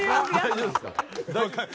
大丈夫っすか？